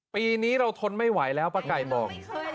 ปีนี้เราทนไม่ไหวแล้วป้าไก่บอก